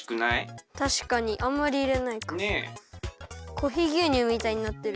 コーヒーぎゅうにゅうみたいになってる。